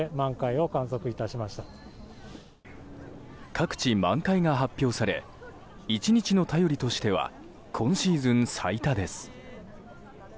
各地、満開が発表され１日の便りとしては今シーズン最多です。